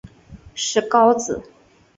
石皋子。